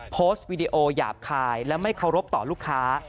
วีดีโอหยาบคายและไม่เคารพต่อลูกค้า